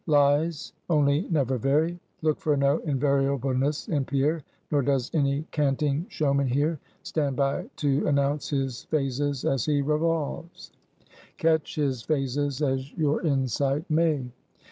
Lies only never vary; look for no invariableness in Pierre. Nor does any canting showman here stand by to announce his phases as he revolves. Catch his phases as your insight may.